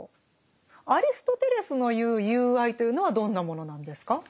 アリストテレスの言う「友愛」というのはどんなものなんですか？